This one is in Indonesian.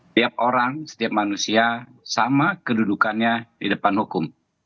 tiap orang setiap manusia sama kedudukannya di depan hukum